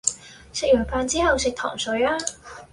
食完飯之後食糖水吖